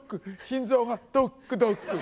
心臓がドッグドッグ。